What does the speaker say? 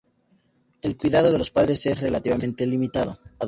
El cuidado de los padres es relativamente limitado.